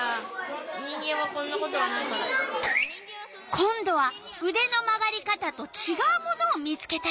今度はうでの曲がり方とちがうものを見つけたよ！